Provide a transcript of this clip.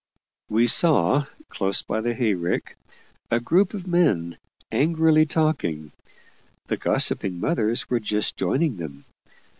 We saw, close by the hay rick, a group of men, angrily talking. The gossiping mothers were just joining them.